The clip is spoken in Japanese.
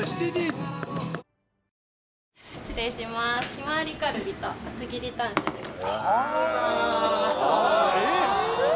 ひまわりカルビと厚切りタン塩ですはあ！